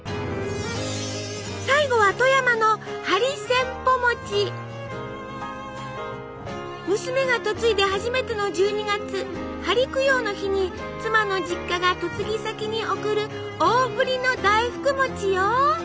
最後は富山の娘が嫁いで初めての１２月針供養の日に妻の実家が嫁ぎ先に贈る大ぶりの大福餅よ！